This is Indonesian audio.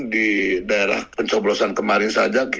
di daerah pencoblosan kemarin saja